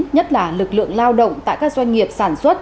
nhất là lực lượng lao động tại các doanh nghiệp sản xuất